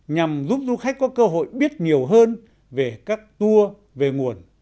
nhằm giúp du khách có cơ hội biết nhiều hơn về các tour về nguồn